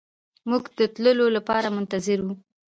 موږ د تللو لپاره منتظر وو.